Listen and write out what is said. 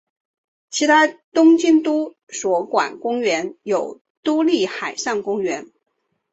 其他东京都所管公园有都立海上公园。